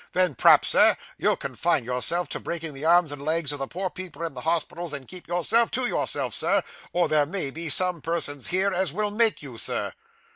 'Then p'raps, Sir, you'll confine yourself to breaking the arms and legs of the poor people in the hospitals, and keep yourself to yourself, Sir, or there may be some persons here as will make you, Sir.